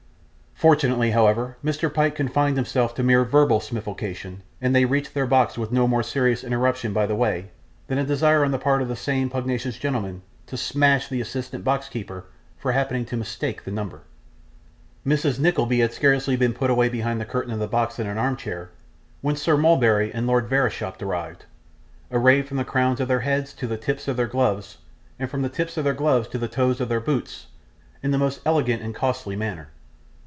Fortunately, however, Mr. Pyke confined himself to mere verbal smifligation, and they reached their box with no more serious interruption by the way, than a desire on the part of the same pugnacious gentleman to 'smash' the assistant box keeper for happening to mistake the number. Mrs. Nickleby had scarcely been put away behind the curtain of the box in an armchair, when Sir Mulberry and Lord Verisopht arrived, arrayed from the crowns of their heads to the tips of their gloves, and from the tips of their gloves to the toes of their boots, in the most elegant and costly manner.